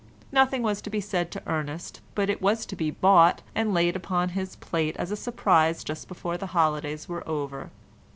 Nothing was to be said to Ernest, but it was to be bought, and laid upon his plate as a surprise just before the holidays were over.